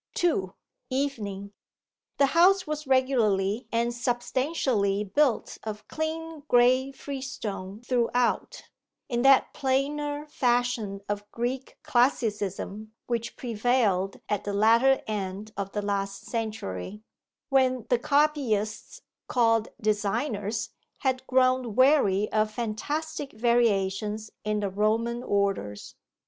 2. EVENING The house was regularly and substantially built of clean grey freestone throughout, in that plainer fashion of Greek classicism which prevailed at the latter end of the last century, when the copyists called designers had grown weary of fantastic variations in the Roman orders.